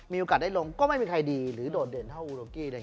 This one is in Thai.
มีโอกาสได้ลงก็ไม่มีใครดีหรือโดดเด่นเท่าอูโรกี้